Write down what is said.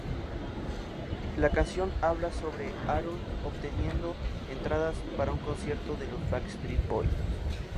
La canción habla sobre Aaron obteniendo entradas para un concierto de los Backstreet Boys.